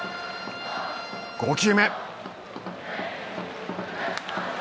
５球目。